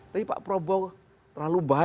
tapi pak prabowo terlalu bahaya